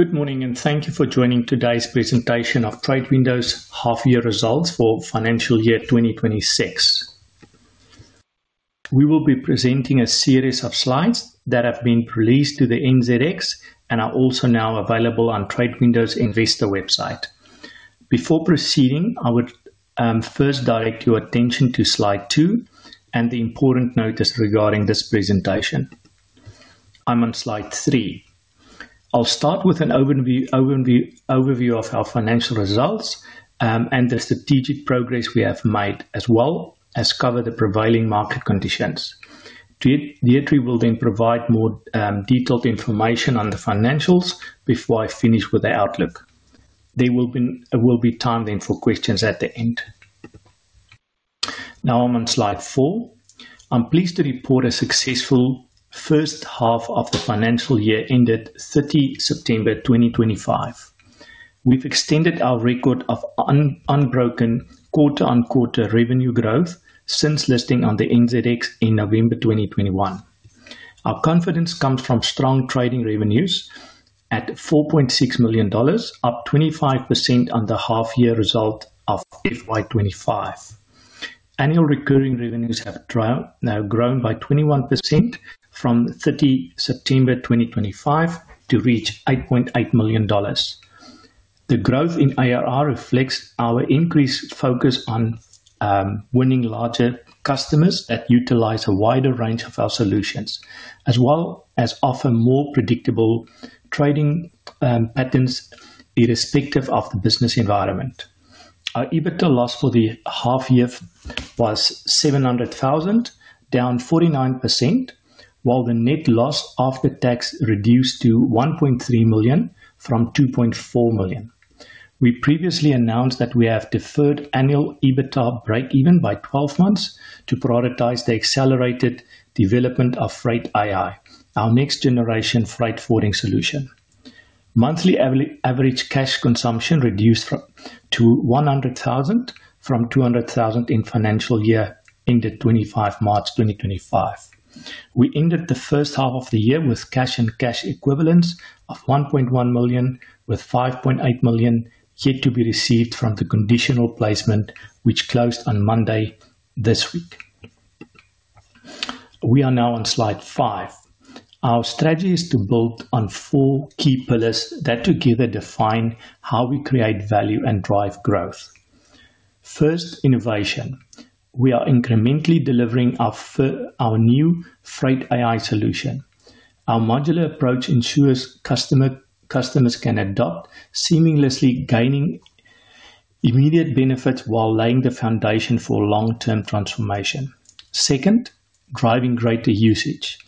Good morning and thank you for joining today's presentation of TradeWindow's half-year results for financial year 2026. We will be presenting a series of slides that have been released to the NZX and are also now available on TradeWindow's investor website. Before proceeding, I would first direct your attention to slide two and the important notice regarding this presentation. I'm on slide three. I'll start with an overview of our financial results and the strategic progress we have made, as well as cover the prevailing market conditions. Deidre will then provide more detailed information on the financials before I finish with the outlook. There will be time then for questions at the end. Now I'm on slide four. I'm pleased to report a successful first half of the financial year ended 30 September 2025. We've extended our record of unbroken quarter-on-quarter revenue growth since listing on the NZX in November 2021. Our confidence comes from strong trading revenues at $4.6 million, up 25% on the half-year result of FY2025. Annual recurring revenues have now grown by 21% from 30 September 2025 to reach $8.8 million. The growth in ARR reflects our increased focus on winning larger customers that utilize a wider range of our solutions, as well as offer more predictable trading patterns irrespective of the business environment. Our EBITDA loss for the half-year was $700,000, down 49%, while the net loss after tax reduced to $1.3 million from $2.4 million. We previously announced that we have deferred annual EBITDA break-even by 12 months to prioritize the accelerated development of Freight AI, our next-generation freight forwarding solution. Monthly average cash consumption reduced to $100,000 from $200,000 in financial year ended 25 March 2025. We ended the first half of the year with cash and cash equivalents of $1.1 million, with $5.8 million yet to be received from the conditional placement, which closed on Monday this week. We are now on slide five. Our strategy is to build on four key pillars that together define how we create value and drive growth. First, innovation. We are incrementally delivering our new Freight AI solution. Our modular approach ensures customers can adopt seamlessly, gaining immediate benefits while laying the foundation for long-term transformation. Second, driving greater usage.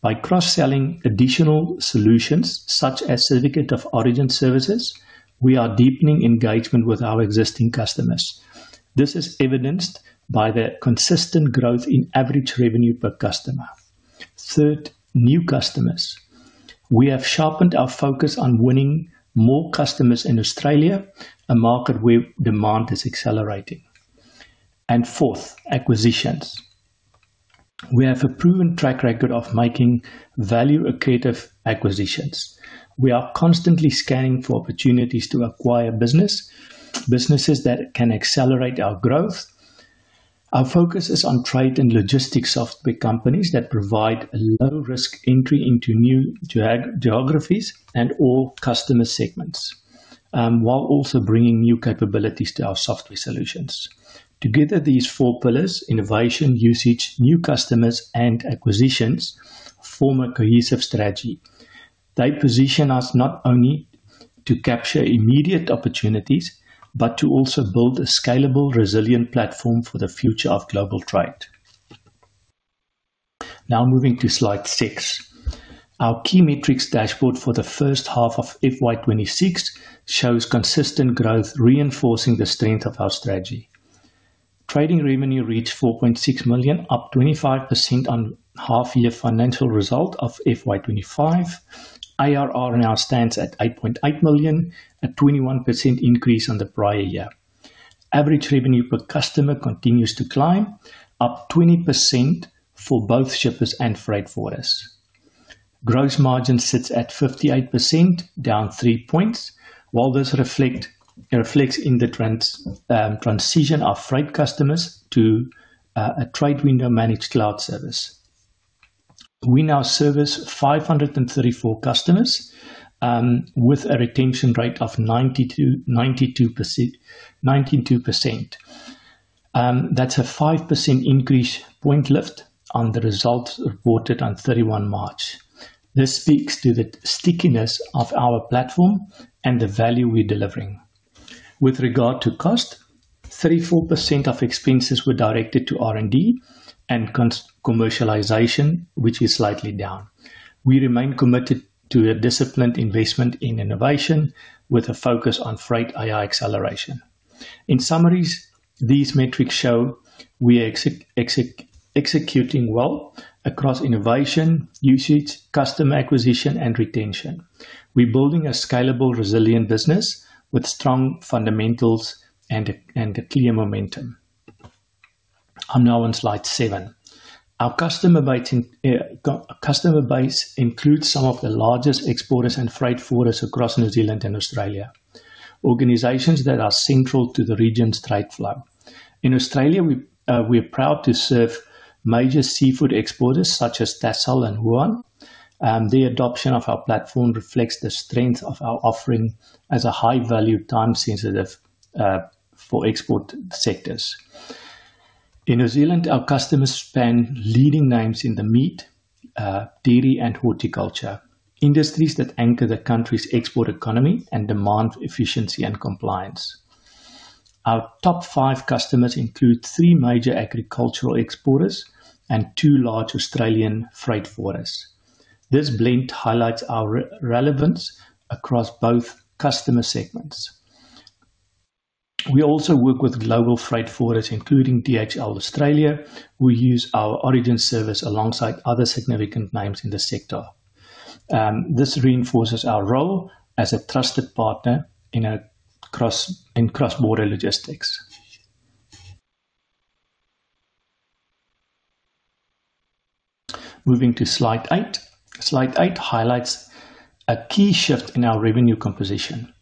By cross-selling additional solutions such as certificate of origin services, we are deepening engagement with our existing customers. This is evidenced by the consistent growth in average revenue per customer. Third, new customers. We have sharpened our focus on winning more customers in Australia, a market where demand is accelerating. And fourth, acquisitions. We have a proven track record of making value-accretive acquisitions. We are constantly scanning for opportunities to acquire businesses that can accelerate our growth. Our focus is on trade and logistics software companies that provide a low-risk entry into new geographies and all customer segments, while also bringing new capabilities to our software solutions. Together, these four pillars—innovation, usage, new customers, and acquisitions—form a cohesive strategy. They position us not only to capture immediate opportunities, but to also build a scalable, resilient platform for the future of global trade. Now moving to slide six. Our key metrics dashboard for the first half of FY2026 shows consistent growth, reinforcing the strength of our strategy. Trading revenue reached $4.6 million, up 25% on half-year financial result of FY2025. ARR now stands at $8.8 million, a 21% increase on the prior year. Average revenue per customer continues to climb, up 20% for both shippers and freight forwarders. Gross margin sits at 58%, down three points, while this reflects in the transition of freight customers to a TradeWindow managed cloud service. We now service 534 customers with a retention rate of 92%. That's a 5 percentage point lift on the results reported on 31 March. This speaks to the stickiness of our platform and the value we're delivering. With regard to cost, 34% of expenses were directed to R&D and commercialization, which is slightly down. We remain committed to a disciplined investment in innovation with a focus on Freight AI acceleration. In summaries, these metrics show we are executing well across innovation, usage, customer acquisition, and retention. We're building a scalable, resilient business with strong fundamentals and a clear momentum. I'm now on slide seven. Our customer base includes some of the largest exporters and freight forwarders across New Zealand and Australia, organizations that are central to the region's trade flow. In Australia, we're proud to serve major seafood exporters such as Tassal and Huon. The adoption of our platform reflects the strength of our offering as a high-value, time-sensitive for export sectors. In New Zealand, our customers span leading names in the meat, dairy, and horticulture, industries that anchor the country's export economy and demand efficiency and compliance. Our top five customers include three major agricultural exporters and two large Australian freight forwarders. This blend highlights our relevance across both customer segments. We also work with global freight forwarders, including DHL Australia, who use our origin service alongside other significant names in the sector. This reinforces our role as a trusted partner in cross-border logistics. Moving to slide eight. Slide eight highlights a key shift in our revenue composition.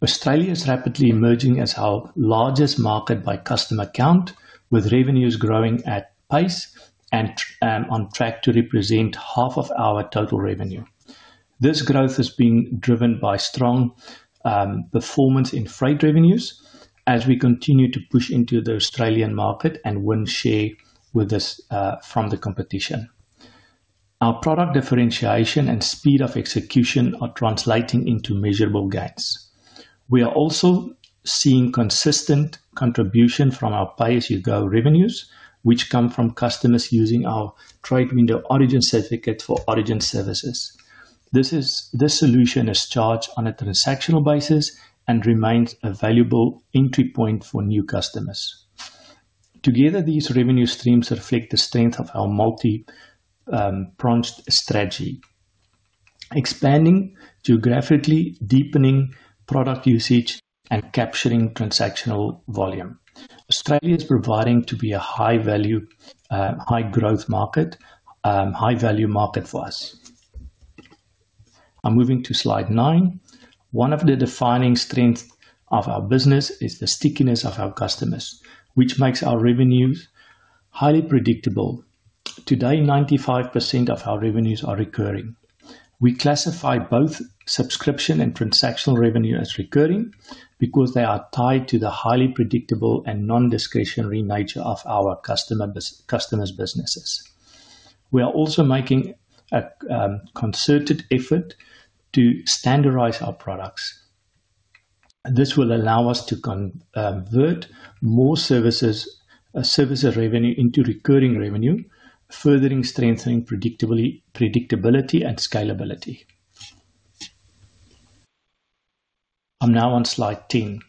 Australia is rapidly emerging as our largest market by customer count, with revenues growing at pace and on track to represent half of our total revenue. This growth has been driven by strong performance in freight revenues as we continue to push into the Australian market and win share from the competition. Our product differentiation and speed of execution are translating into measurable gains. We are also seeing consistent contribution from our pay-as-you-go revenues, which come from customers using our TradeWindow Origin Certificate for origin services. This solution is charged on a transactional basis and remains a valuable entry point for new customers. Together, these revenue streams reflect the strength of our multi-pronged strategy, expanding geographically, deepening product usage, and capturing transactional volume. Australia is proving to be a high-value, high-growth market, high-value market for us. I'm moving to slide nine. One of the defining strengths of our business is the stickiness of our customers, which makes our revenues highly predictable. Today, 95% of our revenues are recurring. We classify both subscription and transactional revenue as recurring because they are tied to the highly predictable and non-discretionary nature of our customers' businesses. We are also making a concerted effort to standardize our products. This will allow us to convert more services' revenue into recurring revenue, further strengthening predictability and scalability. I'm now on slide 10.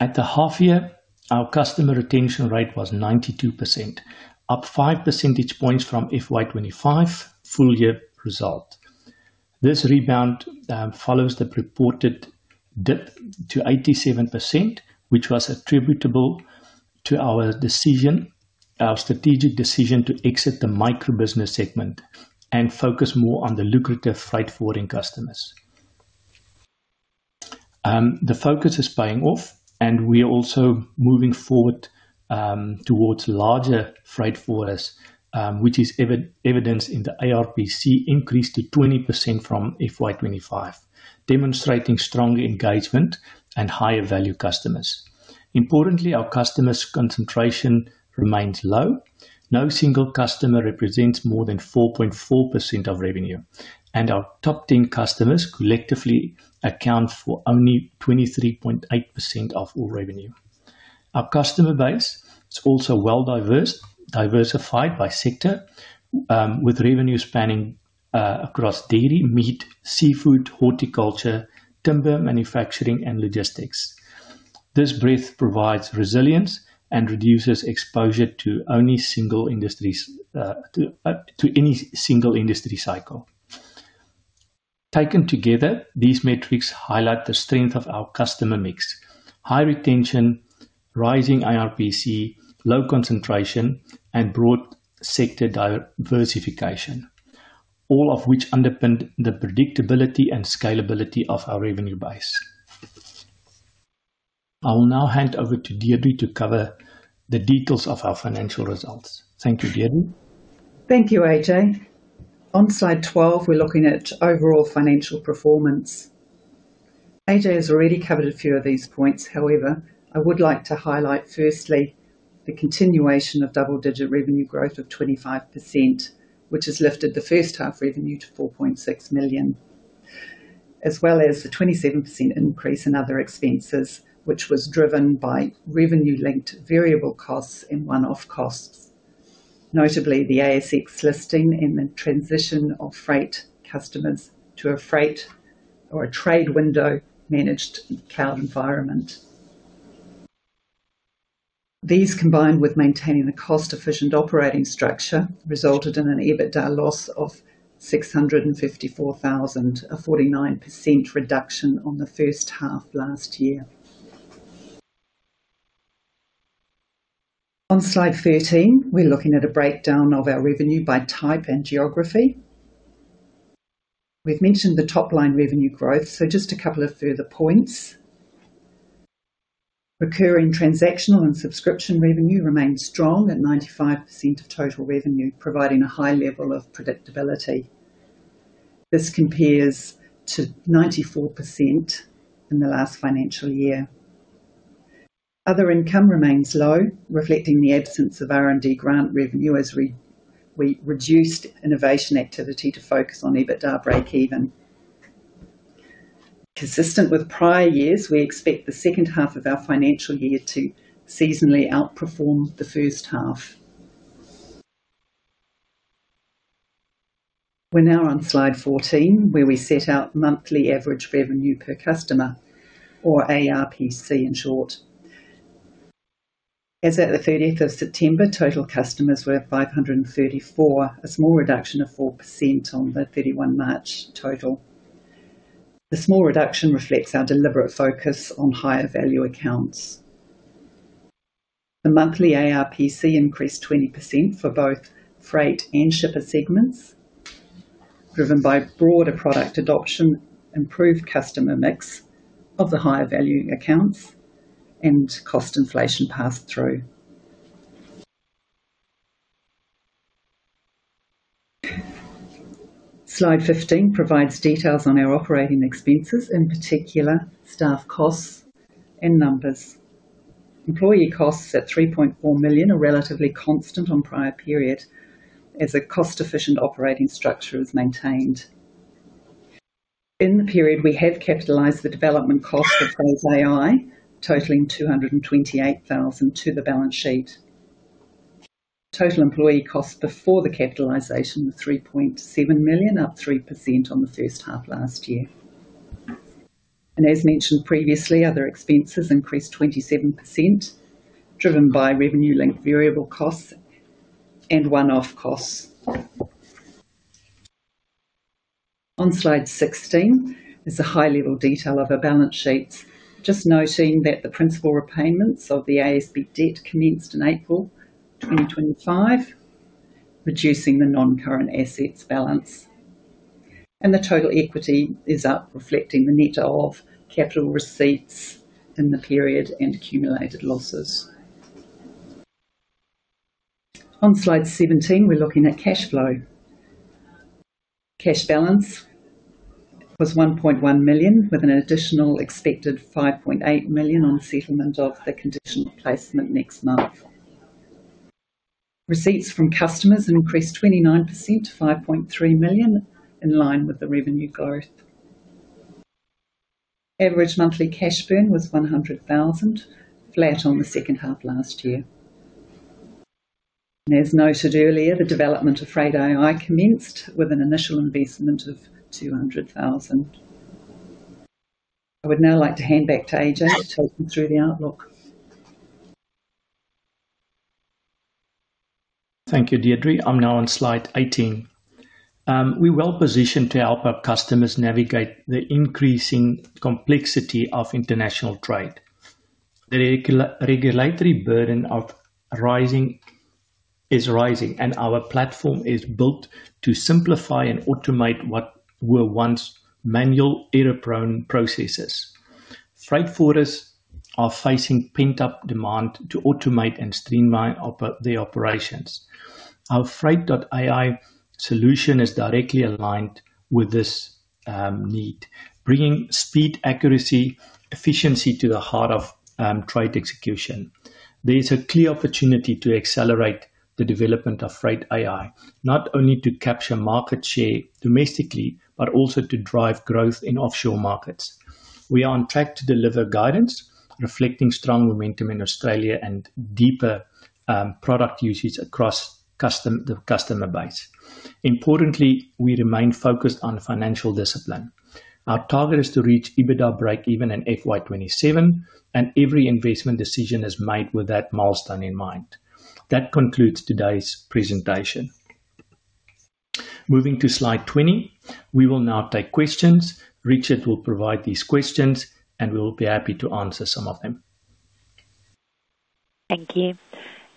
At the half-year, our customer retention rate was 92%, up 5 percentage points from the FY2025 full-year result. This rebound follows the reported dip to 87%, which was attributable to our strategic decision to exit the microbusiness segment and focus more on the lucrative freight forwarding customers. The focus is paying off, and we are also moving forward towards larger freight forwarders, which is evidenced in the ARPC increase to 20% from FY2025, demonstrating strong engagement and higher-value customers. Importantly, our customer concentration remains low. No single customer represents more than 4.4% of revenue, and our top 10 customers collectively account for only 23.8% of all revenue. Our customer base is also well-diversified by sector, with revenues spanning across dairy, meat, seafood, horticulture, timber, manufacturing, and logistics. This breadth provides resilience and reduces exposure to any single industry cycle. Taken together, these metrics highlight the strength of our customer mix: high retention, rising ARPC, low concentration, and broad sector diversification, all of which underpin the predictability and scalability of our revenue base. I will now hand over to Deidre to cover the details of our financial results. Thank you, Deidre. Thank you, AJ. On slide 12, we're looking at overall financial performance. AJ has already covered a few of these points. However, I would like to highlight, firstly, the continuation of double-digit revenue growth of 25%, which has lifted the first-half revenue to $4.6 million, as well as the 27% increase in other expenses, which was driven by revenue-linked variable costs and one-off costs, notably the ASX listing and the transition of freight customers to a freight or a TradeWindow managed cloud environment. These, combined with maintaining a cost-efficient operating structure, resulted in an EBITDA loss of $654,000, a 49% reduction on the first half last year. On slide 13, we're looking at a breakdown of our revenue by type and geography. We've mentioned the top-line revenue growth, so just a couple of further points. Recurring transactional and subscription revenue remained strong at 95% of total revenue, providing a high level of predictability. This compares to 94% in the last financial year. Other income remains low, reflecting the absence of R&D grant revenue as we reduced innovation activity to focus on EBITDA break-even. Consistent with prior years, we expect the second half of our financial year to seasonally outperform the first half. We're now on slide 14, where we set out monthly average revenue per customer, or ARPC in short. As of the 30th of September, total customers were 534, a small reduction of 4% on the 31 March total. The small reduction reflects our deliberate focus on higher-value accounts. The monthly ARPC increased 20% for both freight and shipper segments, driven by broader product adoption, improved customer mix of the higher-value accounts, and cost inflation passed through. Slide 15 provides details on our operating expenses, in particular staff costs and numbers. Employee costs at $3.4 million are relatively constant on prior period as a cost-efficient operating structure is maintained. In the period, we have capitalized the development cost of AI, totaling $228,000 to the balance sheet. Total employee costs before the capitalization were $3.7 million, up 3% on the first half last year. As mentioned previously, other expenses increased 27%, driven by revenue-linked variable costs and one-off costs. On slide 16 is a high-level detail of our balance sheets, just noting that the principal repayments of the ASB debt commenced in April 2025, reducing the non-current assets balance. The total equity is up, reflecting the net of capital receipts in the period and accumulated losses. On slide 17, we're looking at cash flow. Cash balance was $1.1 million, with an additional expected $5.8 million on settlement of the conditional placement next month. Receipts from customers increased 29% to $5.3 million, in line with the revenue growth. Average monthly cash burn was $100,000, flat on the second half last year. As noted earlier, the development of Freight AI commenced with an initial investment of $200,000. I would now like to hand back to AJ to take you through the outlook. Thank you, Deidre. I'm now on slide 18. We are well positioned to help our customers navigate the increasing complexity of international trade. The regulatory burden is rising, and our platform is built to simplify and automate what were once manual, error-prone processes. Freight forwarders are facing pent-up demand to automate and streamline their operations. Our Freight AI solution is directly aligned with this need, bringing speed, accuracy, and efficiency to the heart of freight execution. There is a clear opportunity to accelerate the development of Freight AI, not only to capture market share domestically, but also to drive growth in offshore markets. We are on track to deliver guidance reflecting strong momentum in Australia and deeper product usage across the customer base. Importantly, we remain focused on financial discipline. Our target is to reach EBITDA break-even in FY2027, and every investment decision is made with that milestone in mind. That concludes today's presentation. Moving to slide 20, we will now take questions. Richard will provide these questions, and we will be happy to answer some of them. Thank you.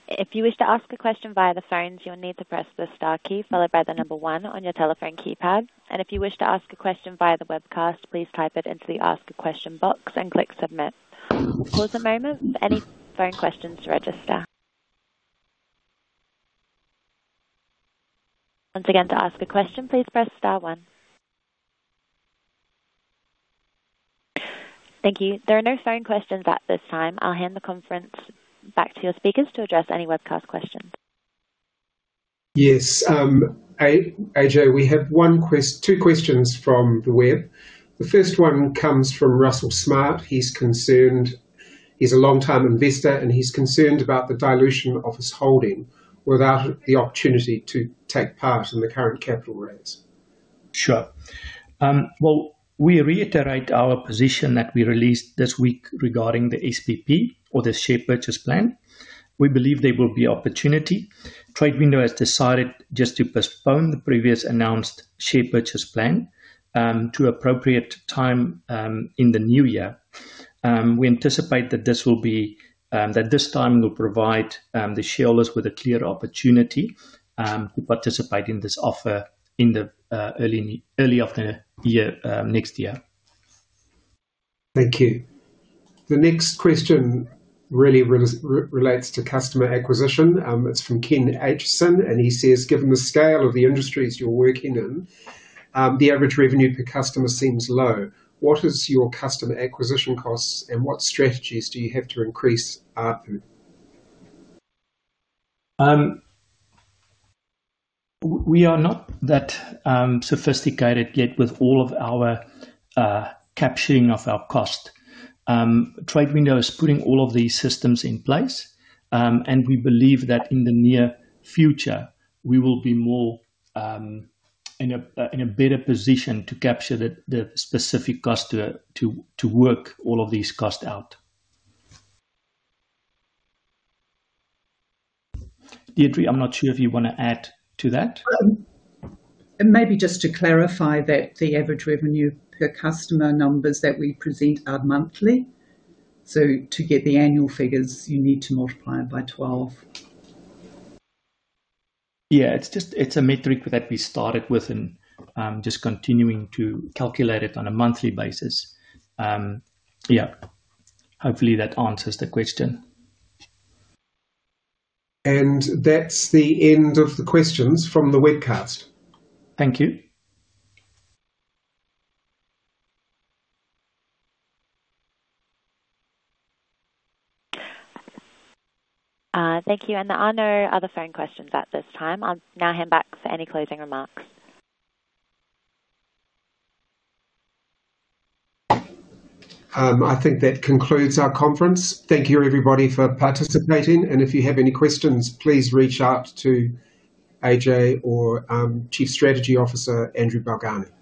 If you wish to ask a question via the phone, you will need to press the star key, followed by the number one on your telephone keypad. If you wish to ask a question via the webcast, please type it into the ask a question box and click submit. Pause a moment for any phone questions to register. Once again, to ask a question, please press star one. Thank you. There are no phone questions at this time. I'll hand the conference back to your speakers to address any webcast questions. Yes. AJ, we have two questions from the web. The first one comes from Russell Smart. He's concerned, he's a long-time investor, and he's concerned about the dilution of his holding without the opportunity to take part in the current capital raise. Sure. We reiterate our position that we released this week regarding the SPP, or the share purchase plan. We believe there will be opportunity. TradeWindow has decided just to postpone the previously announced share purchase plan to an appropriate time in the new year. We anticipate that this will be that this time will provide the shareholders with a clear opportunity to participate in this offer in the early of the year next year. Thank you. The next question really relates to customer acquisition. It's from Ken Atcherson, and he says, "Given the scale of the industries you're working in, the average revenue per customer seems low. What is your customer acquisition costs, and what strategies do you have to increase ARPU?" We are not that sophisticated yet with all of our capturing of our cost. TradeWindow is putting all of these systems in place, and we believe that in the near future, we will be more in a better position to capture the specific cost to work all of these costs out. Deidre, I'm not sure if you want to add to that. Maybe just to clarify that the average revenue per customer numbers that we present are monthly. To get the annual figures, you need to multiply it by 12. Yeah. It's a metric that we started with and just continuing to calculate it on a monthly basis. Yeah. Hopefully, that answers the question. That's the end of the questions from the webcast. Thank you. Thank you. The honor of the phone questions at this time. I'll now hand back for any closing remarks. I think that concludes our conference. Thank you, everybody, for participating. If you have any questions, please reach out to AJ or Chief Strategy Officer Andrew Balgarnie.